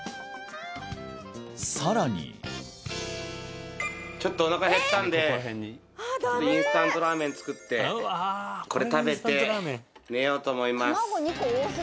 さらにちょっとおなか減ったんでインスタントラーメン作ってこれ食べて寝ようと思います